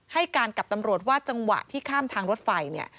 ให้การกับตำรวจว่าจังหวะที่ข้ามทางรถไฟเนี่ย